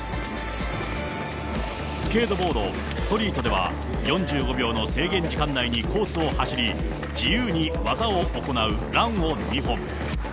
スケートボードストリートでは、４５秒の制限時間内にコースを走り、自由に技を行うランを２本。